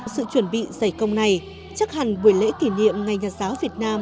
sự chuẩn bị giải công này chắc hẳn buổi lễ kỷ niệm ngày nhà giáo việt nam